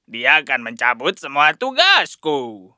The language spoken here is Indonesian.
dia akan mencabut semua tugasku